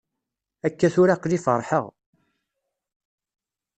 Akka tura aql-i feṛḥeɣ.